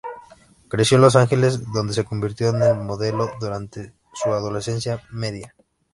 Creció en Los Ángeles, donde se convirtió en modelo durante su adolescencia media.